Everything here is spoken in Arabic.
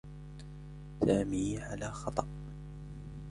سامي على خطأ.